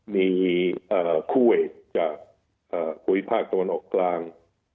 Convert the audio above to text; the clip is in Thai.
มีควเวสจากภูมิภาคสวรรค์ตะวันออกกลาง